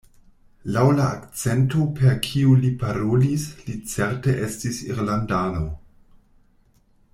Laŭ la akcento per kiu li parolis li certe estis irlandano.